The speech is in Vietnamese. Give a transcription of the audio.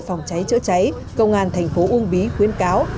phòng cháy chữa cháy công an thành phố uông bí khuyến cáo